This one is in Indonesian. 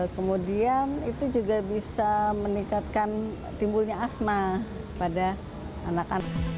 kemudian itu juga bisa meningkatkan timbulnya asma pada anak anak